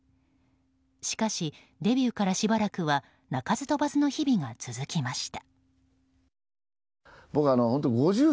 しかし、デビューからしばらくは泣かず飛ばずの日々が続きました。